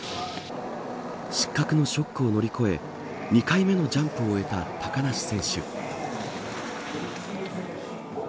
失格なショックを乗り越え２回目のジャンプを終えた高梨選手。